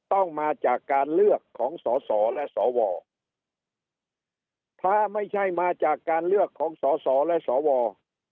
ต้องมาจากการเลือกของสอสอและสวถ้าไม่ใช่มาจากการเลือกของสอสอและสว